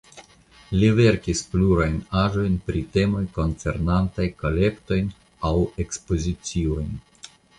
Li verkis plurajn aĵoj pri temoj koncernantaj kolektojn aŭ ekspoziciojn.